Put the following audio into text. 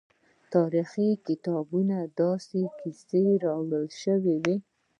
تاریخي کتابونو کې داسې کیسې راوړل شوي.